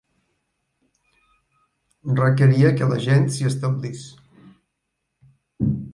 Requeria que la gent s'hi establís.